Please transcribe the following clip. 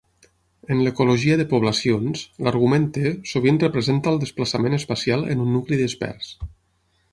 En l'ecologia de poblacions, l'argument "t" sovint representa el desplaçament espacial en un nucli dispers.